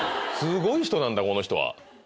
すごい人なんだこの人は。